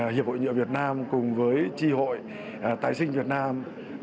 hiệp hội nhựa việt nam cùng với tri hội tài sinh việt nam